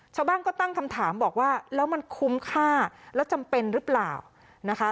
ชาวบ้านก็ตั้งคำถามบอกว่าแล้วมันคุ้มค่าแล้วจำเป็นหรือเปล่านะคะ